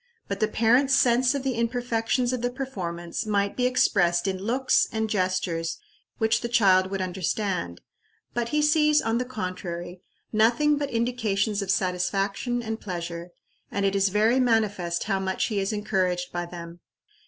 But the parent's sense of the imperfections of the performance might be expressed in looks and gestures which the child would understand; but he sees, on the contrary, nothing but indications of satisfaction and pleasure, and it is very manifest how much he is encouraged by them.